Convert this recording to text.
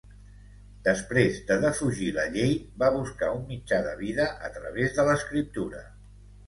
Després de defugir la llei, va buscar un mitjà de vida a través de l'escriptura.